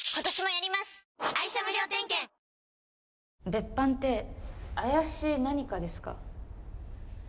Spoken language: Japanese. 別班って怪しい何かですか？